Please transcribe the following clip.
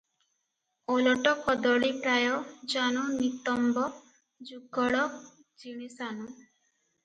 "ଓଲଟ କଦଳୀ ପ୍ରାୟ ଜାନୁ ନିତମ୍ବ ଯୁଗଳ ଜିଣି ସାନୁ ।"